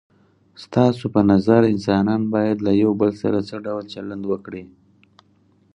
ستاسو په نظر انسانان باید له یو بل سره څه ډول چلند وکړي؟